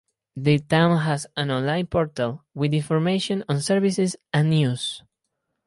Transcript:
The town has an online portal with information on services and news.